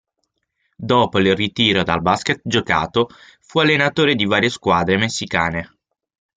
Dopo il ritiro dal basket giocato, fu allenatore di varie squadre messicane.